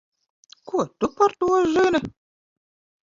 Ko tu par to zini?